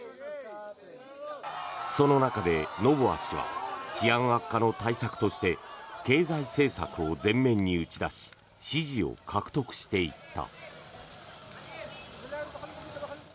その中でノボア氏は治安悪化の対策として経済政策を前面に打ち出し支持を獲得していった。